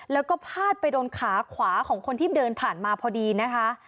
แล้วก็พาดไปโดนขาขวาของคนที่เดินผ่านมาพอดีนะคะ